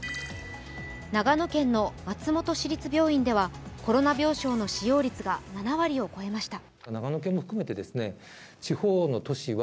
長野県の松本市立病院ではコロナ病床の使用率が７割を超えました。